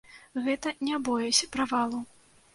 Гэта не боязь правалу.